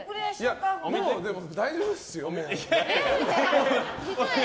もう大丈夫ですよ。